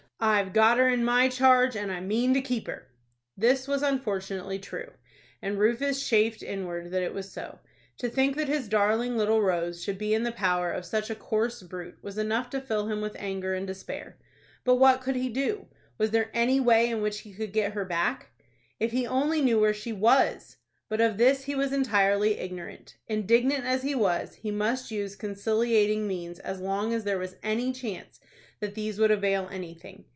"I've got her in my charge, and I mean to keep her." This was unfortunately true, and Rufus chafed inwardly that it was so. To think that his darling little Rose should be in the power of such a coarse brute was enough to fill him with anger and despair. But what could he do? Was there any way in which he could get her back? If he only knew where she was! But of this he was entirely ignorant. Indignant as he was, he must use conciliating means as long as there was any chance that these would avail anything.